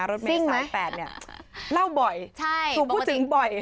รถเมย์สาย๘เนี่ยเล่าบ่อยถูกพูดถึงบ่อย